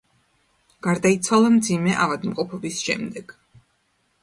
გარდაიცვალა მძიმე ავადმყოფობის შემდეგ.